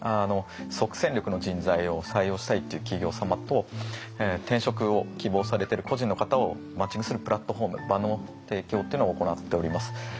即戦力の人材を採用したいという企業様と転職を希望されている個人の方をマッチングするプラットフォーム場の提供っていうのを行っております。